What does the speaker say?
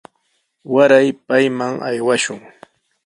Waray payman aywashun.